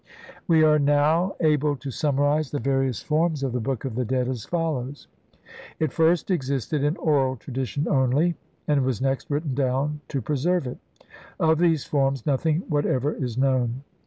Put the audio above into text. We are now able to summarize the various forms of the Book of the Dead as follows :— It first exist ed in oral tradition only, and was next written down to preserve it ; of these forms nothing whatever is known.